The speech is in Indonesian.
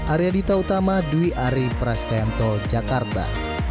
arya dita utama dwi ari prastianto jakarta